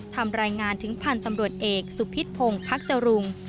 ทำรายงานถึงพันธ์ตำรวจเอกสุพิษพงศ์พักจรุง